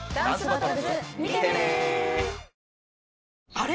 あれ？